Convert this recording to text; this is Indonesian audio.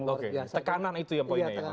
oke tekanan itu yang poinnya ya